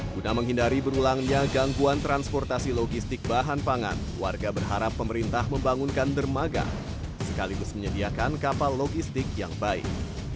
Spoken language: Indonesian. guna menghindari berulangnya gangguan transportasi logistik bahan pangan warga berharap pemerintah membangunkan dermaga sekaligus menyediakan kapal logistik yang baik